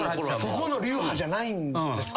そこの流派じゃないんですか。